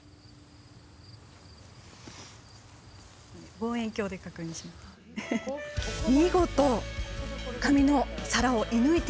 望遠鏡で確認しています。